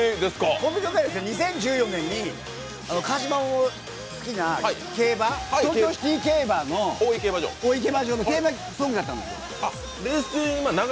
この曲は２０１４年に川島も好きな競馬、東京シティ競馬の競馬ソングだったんですよ。